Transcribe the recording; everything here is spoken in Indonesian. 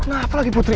kena apel lagi putri